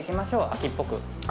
秋っぽく。